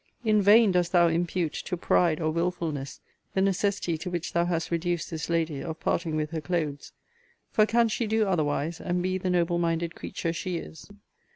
In vain dost thou impute to pride or wilfulness the necessity to which thou hast reduced this lady of parting with her clothes; For can she do otherwise, and be the noble minded creature she is?